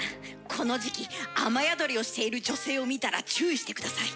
この時期雨宿りをしている女性を見たら注意して下さい。